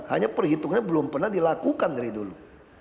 hanya perhitungannya belum pernah dilakukan dari dulu